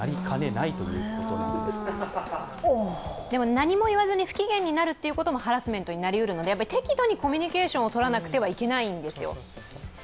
でも、何も言わずに不機嫌になるということもハラスメントになりうるので適度にコミュニケーションをとらなければいけないんですよ。